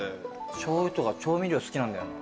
しょうゆとか調味料好きなんだよな。